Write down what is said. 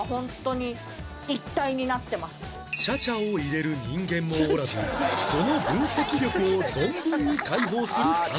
チャチャを入れる人間もおらずその分析力を存分に解放する田辺さん